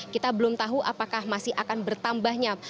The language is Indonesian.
kita belum tahu apakah masih akan bertambahnya